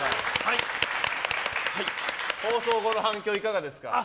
放送後の反響いかがですか？